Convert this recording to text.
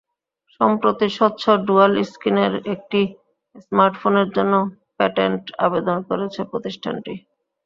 সম্প্রতি স্বচ্ছ ডুয়াল স্ক্রিনের একটি স্মার্টফোনের জন্য পেটেন্ট আবেদন করেছে প্রতিষ্ঠানটি।